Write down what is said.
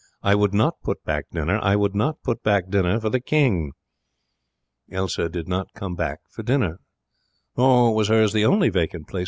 I would not put back dinner. I would not put back dinner for the King.' Elsa did not come back for dinner. Nor was hers the only vacant place.